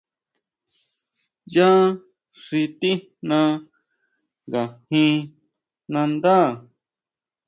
Ya xi tijna nga jin nandá.